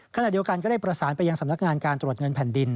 ขณะเดียวกันก็ได้ประสานไปยังสำนักงานการตรวจเงินแผ่นดิน